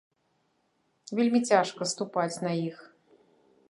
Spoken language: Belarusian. Вельмі цяжка ступаць на іх.